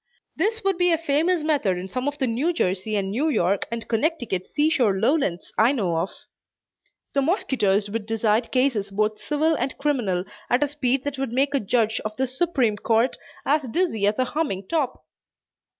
This would be a famous method in some of the New Jersey and New York and Connecticut seashore lowlands I know of. The mosquitoes would decide cases both civil and criminal, at a speed that would make a Judge of the Supreme Court as dizzy as a humming top.